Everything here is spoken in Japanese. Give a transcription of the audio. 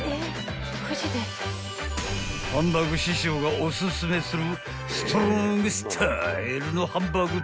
［ハンバーグ師匠がおすすめする］